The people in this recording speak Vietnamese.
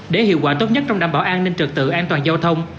để hiệu quả tốt nhất trong đảm bảo an ninh trực tự an toàn giao thông